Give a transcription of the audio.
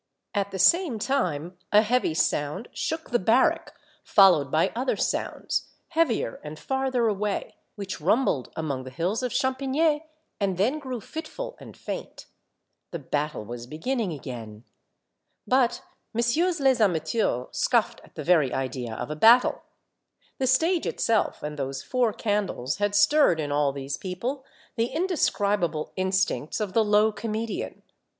At the same time a heavy sound shook the barrack, followed by other sounds, heavier and farther away, which rumbled among the hills of Champigny, and then grew fitful and faint. The battle was beginning again. But Messieurs les amateurs scoffed at the very idea of a battle. The stage itself and those four candles had stirred in all these people the indescribable instincts of the low comedian.